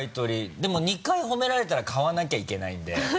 でも２回褒められたら買わなきゃいけないんで。